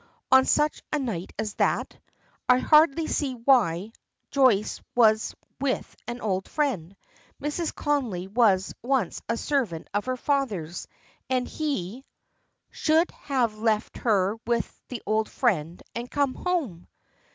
"On such a night as that? I hardly see why. Joyce was with an old friend. Mrs. Connolly was once a servant of her father's, and he " "Should have left her with the old friend and come home."